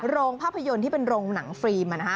โรงภาพยนตร์ที่เป็นโรงหนังฟรีม